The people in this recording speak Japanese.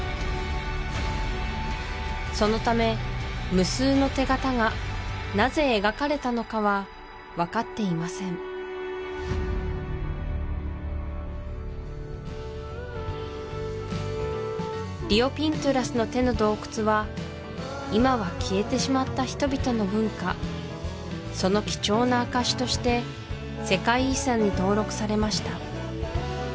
そのため無数の手形がなぜ描かれたのかは分かっていませんリオ・ピントゥラスの手の洞窟は今は消えてしまった人々の文化その貴重な証しとして世界遺産に登録されました